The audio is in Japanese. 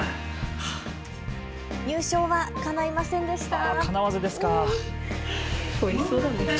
入賞はかないませんでした。